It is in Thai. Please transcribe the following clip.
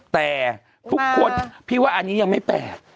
แต่ทุกคนพี่ว่าอันนี้ยังไม่แปลก